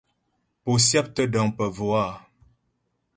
Pó syáptə́ dəŋ pə bvò a ?